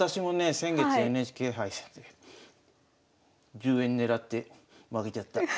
先月ＮＨＫ杯戦で１０円狙って負けちゃった。